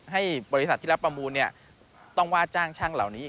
ให้บริษัทที่รับประมูลต้องว่าจ้างช่างเหล่านี้อีก